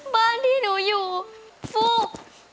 บ้านที่หนูอยู่ฟูก